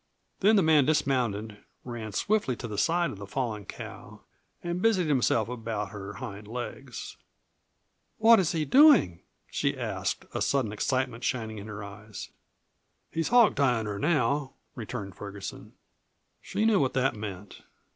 Then the man dismounted, ran swiftly to the side of the fallen cow, and busied himself about her hind legs. "What is he doing?" she asked, a sudden excitement shining in her eyes. "He's hog tieing her now," returned Ferguson. She knew what that meant.